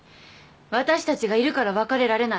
私たちがいるから別れられない。